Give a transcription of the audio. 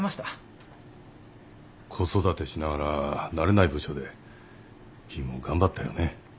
子育てしながら慣れない部署で君も頑張ったよね。